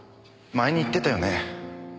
前に言ってたよね。